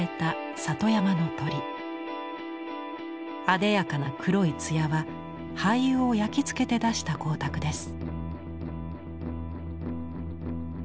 あでやかな黒い艶は廃油を焼きつけて出した光沢です。